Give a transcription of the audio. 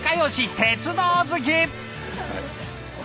鉄道好き！